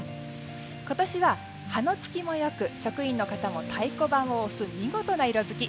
今年は葉のつきもよく職員の方も太鼓判を押す、見事な色づき。